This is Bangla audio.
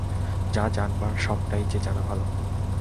যা জানবার সবটাই যে জানা ভালো।